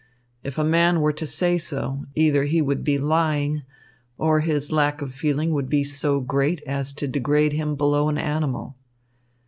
If a man were to say so, either he would be lying, or his lack of feeling would be so great as to degrade him below an animal."